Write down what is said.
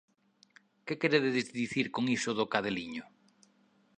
Que queredes dicir con iso do cadeliño?